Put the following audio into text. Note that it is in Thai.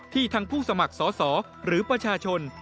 ทั้งผู้สมัครสอสอหรือประชาชน